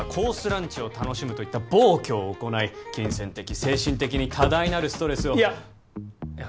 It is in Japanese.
ランチを楽しむといった暴挙を行い金銭的精神的に多大なるストレスをいやっいや